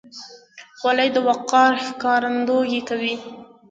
خولۍ د وقار ښکارندویي کوي.